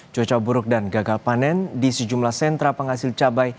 cuaca buruk dan gagal panen di sejumlah sentra penghasil cabai